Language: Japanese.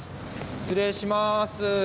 失礼します。